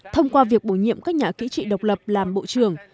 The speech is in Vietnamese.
thông qua việc bổ nhiệm các nhà kỹ trị độc lập làm bộ trưởng